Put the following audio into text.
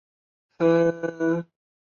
葡萄状肉瘤中被检查出。